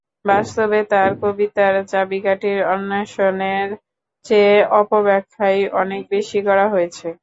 বাস্তবে তাঁর কবিতার চাবিকাঠির অন্বেষণের চেয়ে অপব্যাখ্যাই অনেক বেশি করা হয়েছে।